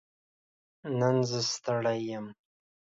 نن زه ستړې يم